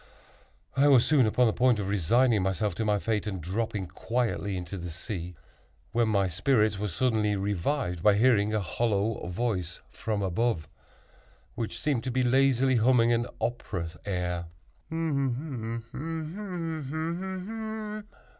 I was soon upon the point of resigning myself to my fate, and dropping quietly into the sea, when my spirits were suddenly revived by hearing a hollow voice from above, which seemed to be lazily humming an opera air.